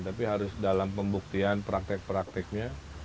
tapi harus dalam pembuktian praktek prakteknya